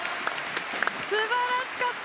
すばらしかった！